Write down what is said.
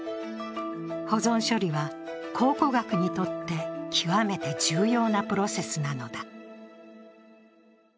保存処理は考古学にとって極めて重要なプロセスなのだ。